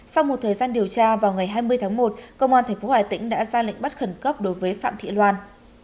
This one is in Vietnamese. sau một thời gian điều tra vào ngày hai mươi tháng một công an tp hà tĩnh đã ra lệnh bắt khẩn cấp đối với phạm thị loan